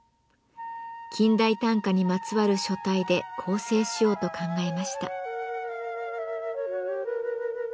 近代短歌にまつわる書体で構成しようと考えました。